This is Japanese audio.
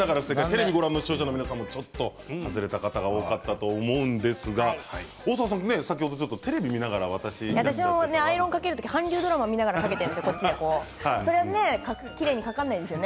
テレビをご覧の視聴者の皆さんもちょっと外れた方が多かったと思うんですが、大沢さんも先ほどテレビを見ながら私はと。私は韓流ドラマを見ながらアイロンかけているんですよ。